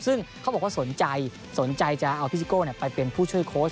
ซึ่งเขาบอกว่าสนใจสนใจจะเอาพี่ซิโก้ไปเป็นผู้ช่วยโค้ช